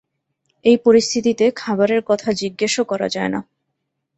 এই পরিস্থিতিতে খাবারের কথা জিজ্ঞেসও করা যায় না।